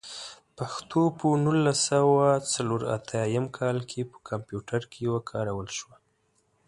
پښتو په نولس سوه څلور اتيايم کال کې په کمپيوټر کې وکارول شوه.